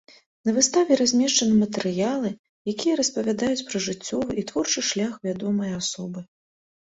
На выставе размешчаны матэрыялы, якія распавядаюць пра жыццёвы і творчы шлях вядомай асобы.